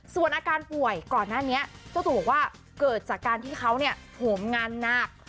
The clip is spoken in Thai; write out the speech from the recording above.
ส่วนอาการป่วยก่อนหน้านี้เจ้าตัวบอกว่าเกิดจากการที่เขาเนี่ยโหมงานหนัก